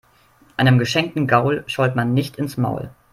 Einem geschenkten Gaul schaut man nicht ins Maul.